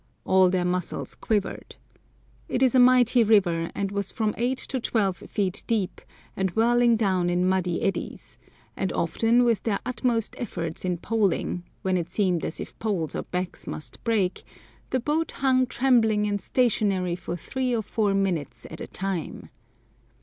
All their muscles quivered. It is a mighty river, and was from eight to twelve feet deep, and whirling down in muddy eddies; and often with their utmost efforts in poling, when it seemed as if poles or backs must break, the boat hung trembling and stationary for three or four minutes at a time.